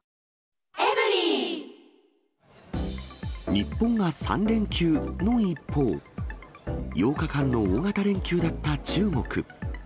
日本が３連休の一方、８日間の大型連休だった中国。